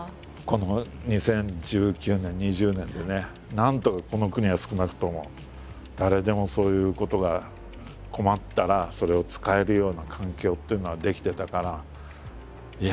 なんとかこの国は少なくとも誰でもそういうことが困ったらそれを使えるような環境というのは出来てたから。